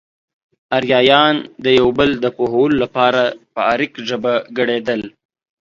اريايان د يو بل د پوهولو لپاره په اريک ژبه ګړېدل.